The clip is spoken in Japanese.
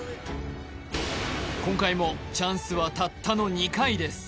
今回もチャンスはたったの２回です